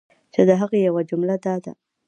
چی د هغی یوه جمله دا ده